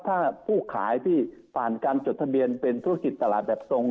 ถ้าผู้ขายที่ผ่านการจดทะเบียนเป็นธุรกิจตลาดแบบตรง